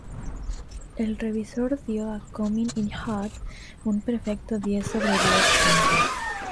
El revisor dio a "Comin 'in Hot" un perfecto diez sobre diez puntos.